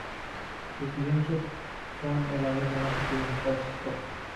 Sus lienzos son a la vez dramáticos y nostálgicos.